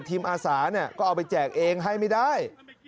อาสาก็เอาไปแจกเองให้ไม่ได้